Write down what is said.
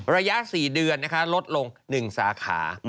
ระยะ๔เดือนลดลง๑สาขา